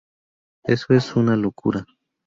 Eso es una locura.